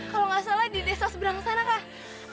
kalau gak salah di desa seberang sana kak